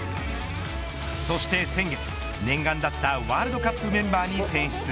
そして先月、念願だったワールドカップメンバーに選出。